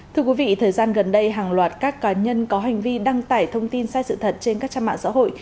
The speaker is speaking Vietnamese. thưa quý vị thời gian gần đây hàng loạt các cá nhân có hành vi đăng tải thông tin sai sự thật trên các trang mạng xã hội